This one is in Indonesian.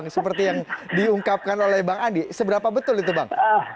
seperti yang diungkapkan oleh bang andi seberapa betul itu bang